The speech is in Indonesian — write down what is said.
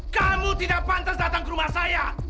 kamu tidak pantas datang ke rumah saya